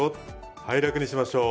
はい楽にしましょう。